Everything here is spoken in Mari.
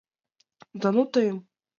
— Да ну тыйым!..